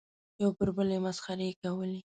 یو پر بل یې مسخرې کولې.